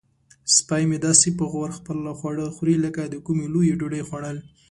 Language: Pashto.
سپی مې داسې په غور خپل خواړه خوري لکه د کومې لویې ډوډۍ خوړل.